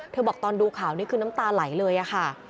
บอกตอนดูข่าวนี้คือน้ำตาไหลเลยอะค่ะ